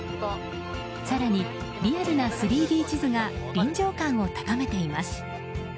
更に、リアルな３Ｄ地図が臨場感を高めています。